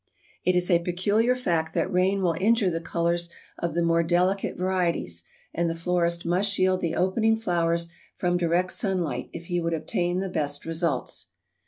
] It is a peculiar fact that rain will injure the colors of the more delicate varieties, and the florist must shield the opening flowers from direct sunlight if he would obtain the best results.